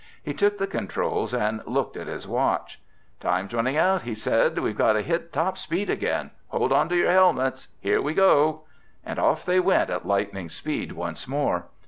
He took the controls and looked at his watch. "Time's running out," he said. "We've got to hit top speed again. Hold onto your helmets! Here we go!" And off they went at lightning speed once more.